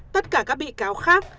tất cả các bị cáo khác